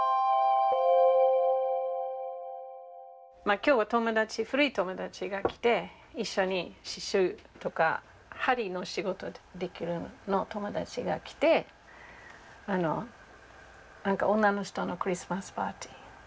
今日は古い友達が来て一緒に刺しゅうとか針の仕事できる友達が来て女の人のクリスマスパーティー。